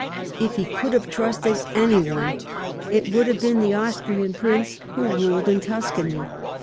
If he could have trusted any one, it would have been the Austrian prince who ruled in Tuscany.